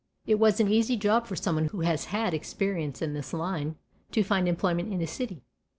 It is an easy job for someone who has had experience in this line to find employment in a city.